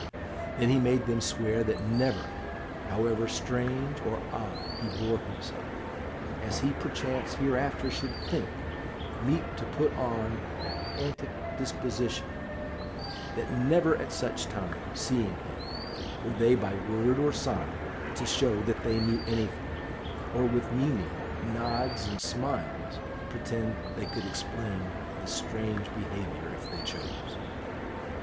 Then he made them swear that never, however strange or odd he bore himself, as he perchance hereafter should think meet to put on an antic disposition that never at such times, seeing him, were they by word or sign to show that they knew anything, or with meaning nods and smiles pretend they could explain his strange behaviour if they chose.